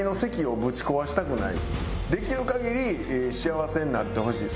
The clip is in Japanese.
できる限り幸せになってほしい。